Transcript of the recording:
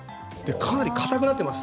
かなりかたくなっています。